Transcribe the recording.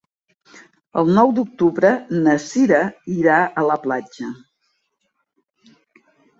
El nou d'octubre na Cira irà a la platja.